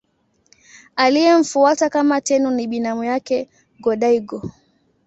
Aliyemfuata kama Tenno ni binamu yake Go-Daigo.